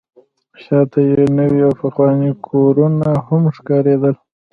شاته یې نوي او پخواني کورونه هم ښکارېدل.